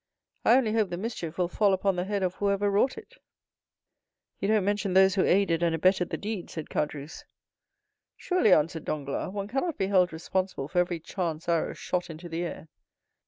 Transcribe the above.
I only hope the mischief will fall upon the head of whoever wrought it." "You don't mention those who aided and abetted the deed," said Caderousse. "Surely," answered Danglars, "one cannot be held responsible for every chance arrow shot into the air."